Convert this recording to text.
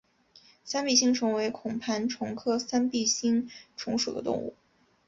三臂星虫为孔盘虫科三臂星虫属的动物。